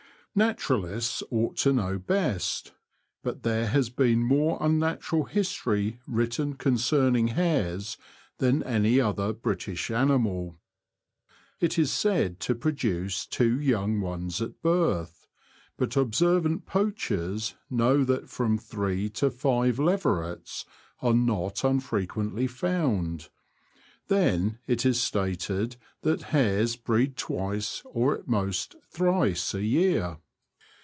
Naturalists ought to know best ; but there has been more unnatural history written concerning hares than any other British animal. It is said to produce two young ones at a birth, but ob servant poachers know that from three to five leverets are not unfrequently found : then it is stated that hares breed twice, or at most thrice, a year.